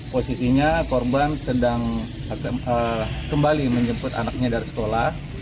posisinya korban sedang kembali menjemput anaknya dari sekolah